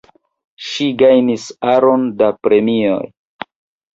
Ŝi gajnis aron da premioj.